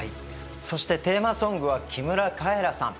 そしてテーマソングは木村カエラさん。